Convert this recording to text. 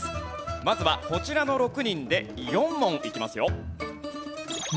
まずはこちらの６人で４問いきますよ。